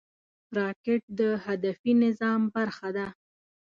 راکټ د هدفي نظام برخه ده